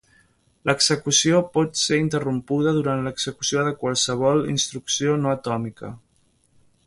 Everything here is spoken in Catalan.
L'execució pot ser interrompuda durant l'execució de qualsevol instrucció no atòmica.